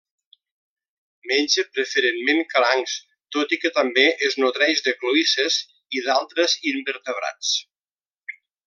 Menja preferentment crancs, tot i que també es nodreix de cloïsses i d'altres invertebrats.